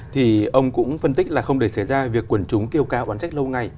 thì ông cũng phân tích là không để xảy ra việc quần chúng kêu cáo bán trách lâu ngày